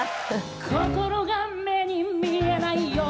「心が目に見えないように」